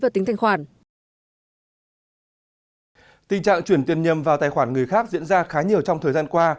tình trạng chuyển tiền nhầm vào tài khoản người khác diễn ra khá nhiều trong thời gian qua